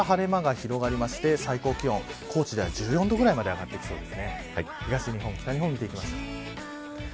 土日は晴れ間が広がって最高気温、高知では１４度くらいまで上がってきそうです。